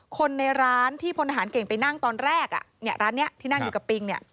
คนในร้านที่พลทหารเก่งไปนั่งตอนแรกร้านนี้ที่นั่งอยู่กับปิงเนี่ย